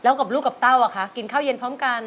แล้วกับลูกกับเต้าอะคะกินข้าวเย็นพร้อมกัน